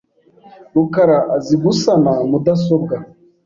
rukara azi gusana mudasobwa.